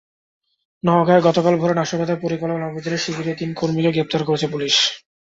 নওগাঁয় গতকাল ভোরে নাশকতার পরিকল্পনার অভিযোগে শিবিরের তিন কর্মীকে গ্রেপ্তার করেছে পুলিশ।